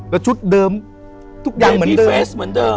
แล้วชุดเดิมทุกอย่างเหมือนเดิม